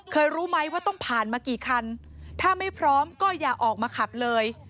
รู้ไหมว่าต้องผ่านมากี่คันถ้าไม่พร้อมก็อย่าออกมาขับเลย